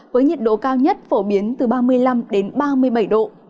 với nhiệt độ cao nhất phổ biến từ ba mươi năm đến ba mươi bảy độ